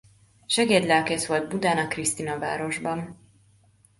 Segédlelkész volt Budán a Krisztinavárosban.